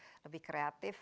harus jauh lebih kreatif